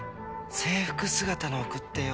「制服姿の送ってよ」。